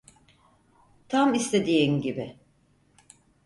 Tam istediğin gibi.